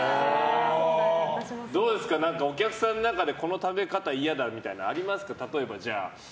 どうですか、お客さんの中でこの食べ方嫌だみたいな。ありますか？